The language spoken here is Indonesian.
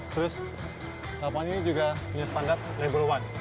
terus lapangannya juga punya standar level satu